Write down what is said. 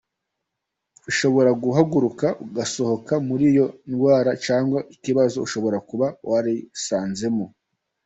Ushobora guhaguruka ugasohoka muri iyo ndwara cyangwa ikibazo ushobora kuba warisanzemo.